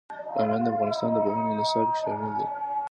بامیان د افغانستان د پوهنې نصاب کې شامل دي.